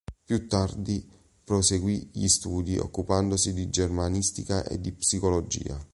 Più tardi proseguì gli studi occupandosi di germanistica e di psicologia.